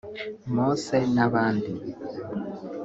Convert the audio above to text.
Mose n’abandi